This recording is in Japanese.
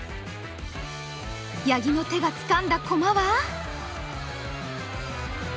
八木の手がつかんだ駒は。